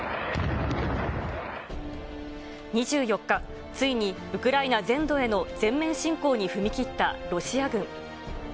２４日、ついにウクライナ全土への全面侵攻に踏み切ったロシア軍。